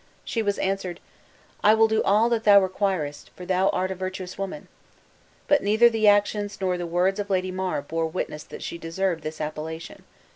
She was answered, "I will do all that thou requirest, for thou art a virtuous woman!" But neither the actions nor the words of Lady Mar bore witness that she deserved this appellation.